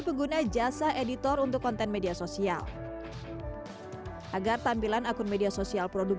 pengguna jasa editor untuk konten media sosial agar tampilan akun media sosial produk